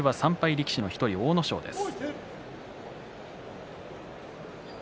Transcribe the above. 力士の１人阿武咲です。